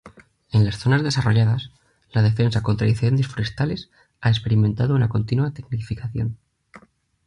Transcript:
En las zonas desarrolladas, la defensa contra incendios forestales ha experimentado una continua tecnificación.